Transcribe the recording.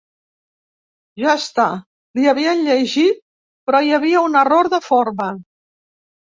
Ja està, li havien llegit però hi havia un error de forma.